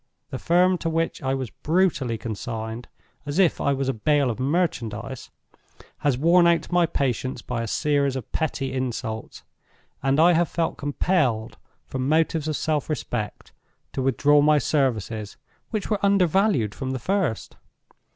The Firm to which I was brutally consigned, as if I was a bale of merchandise, has worn out my patience by a series of petty insults; and I have felt compelled, from motives of self respect, to withdraw my services, which were undervalued from the first.